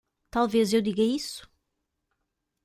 Talvez eu diga isso.